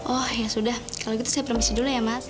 oh ya sudah kalau gitu saya permisi dulu ya mas